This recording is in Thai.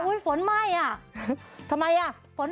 อู้ยสนไหมทำไม